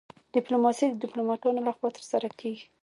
ډیپلوماسي د ډیپلوماتانو لخوا ترسره کیږي